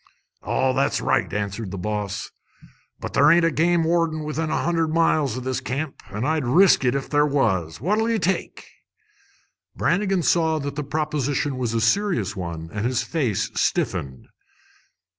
"Oh, that's all right," answered the boss; "but there ain't a game warden within a hundred miles o' this camp, an' I'd risk it if there was. What'll ye take?" Brannigan saw that the proposal was a serious one, and his face stiffened.